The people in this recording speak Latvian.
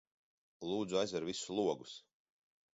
Lūdzu aizver visus logus